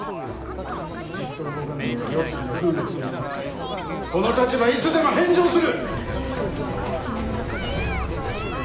じっと動かぬのが世継ぎの分別と言うならこの立場いつでも返上する！